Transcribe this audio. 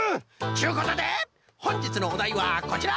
ちゅうことでほんじつのおだいはこちら！